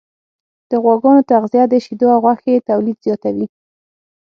د غواګانو تغذیه د شیدو او غوښې تولید زیاتوي.